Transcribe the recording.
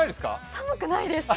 寒くないです。